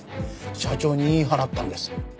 社長に言い放ったんです。